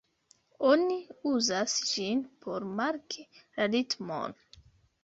Oni uzas ĝin por marki la ritmon.